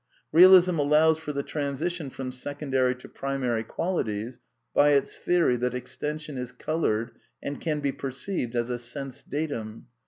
Realism allows for the transition from secondary to pri mary qualities by its theory that extension is coloured and can be perceived as a sense datum.